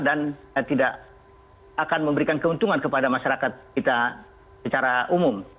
tidak akan memberikan keuntungan kepada masyarakat kita secara umum